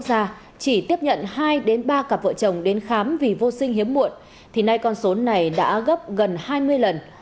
xa chỉ tiếp nhận hai ba cặp vợ chồng đến khám vì vô sinh hiếm muộn thì nay con số này đã gấp gần hai mươi lần